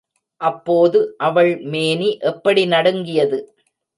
அப்போது, அவள் மேனி எப்படி நடுங்கியது!